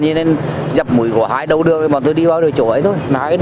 nên dập mũi của hai đầu đường thì bọn tôi đi vào đường chỗ ấy thôi